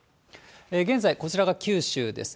現在、こちらが九州です。